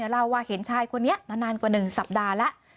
เล่าว่าเห็นชายคนนี้มานานกว่า๑สัปดาห์แล้ว